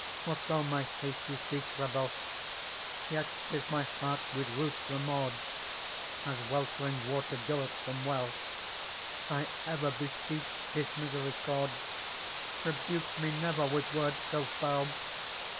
What though my hasty speech rebel, Yet is my heart with ruth remorde As weltering water goeth from well : I ever beseech His misericorde ; Rebuke me never with words so fell.